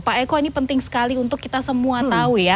pak eko ini penting sekali untuk kita semua tahu ya